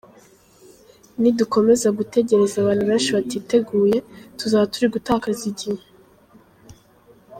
Nidukomeza gutegereza abantu benshi batiteguye, tuzaba turi gutakaza igihe.